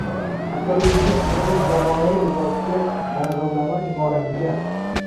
Aqlli yigit qizning “zamonaviy” libosiga, dang‘illama imoratiga